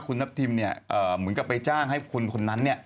คุณทัพทิมเนี่ยเหมือนกับไปจ้างให้คนนั้น